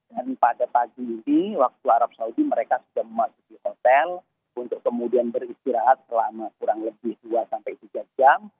dan pada pagi ini waktu arab saudi mereka sudah memasuki hotel untuk kemudian beristirahat selama kurang lebih dua tiga jam